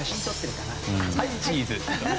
はいチーズ。